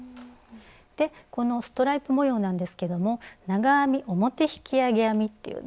でこのストライプ模様なんですけども「長編み表引き上げ編み」というのがポイントになっています。